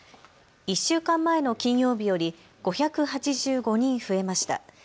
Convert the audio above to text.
１週間前の金曜日より５８５人増えました。